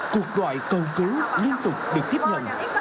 cuộc đoại cầu cứu liên tục được tiếp nhận